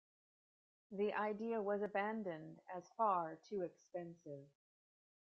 The idea was abandoned as far too expensive.